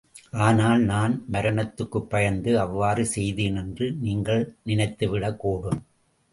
ஆனால் நான் மரணத்துக்குப் பயந்து அவ்வாறு செய்தேன் என்று நீங்கள் நினைத்து விடக் கூடும்.